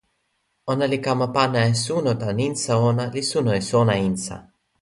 ona li kama pana e suno tan insa ona, li suno e sona insa.